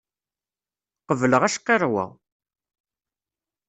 Qebleɣ acqirrew-a!